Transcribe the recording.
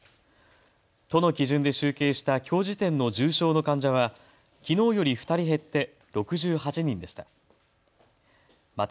都の基準で集計したきょう時点の重症の患者はきのうより２人減って６８人でした。